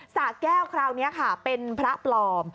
สะแก้วคราวนี้ค่ะเป็นพระปลอม